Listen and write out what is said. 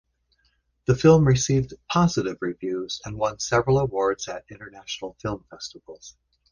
The film received positive reviews and won several awards at international film festivals.